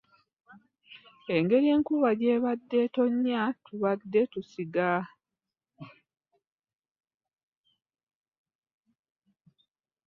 Engeri enkuba gy'etonnya tubadde tusiga.